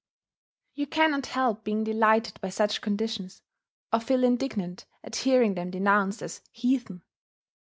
You cannot help being delighted by such conditions, or feeling indignant at hearing them denounced as "heathen."